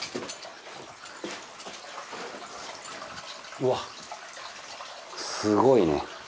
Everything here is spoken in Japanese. うわっすごいね。